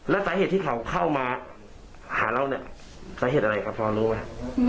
แล้วสาเหตุที่เขาเข้ามาหาเราเนี่ยสาเหตุอะไรครับพอรู้ไหม